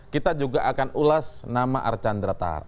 kita juga akan ulas nama archandra tahar